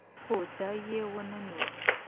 خو ځای یې ونه نیو